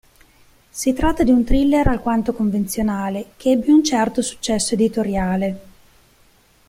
Si tratta di un thriller alquanto convenzionale che ebbe un certo successo editoriale.